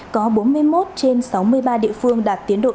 có bốn mươi một trên sáu mươi ba địa phương đạt tiến độ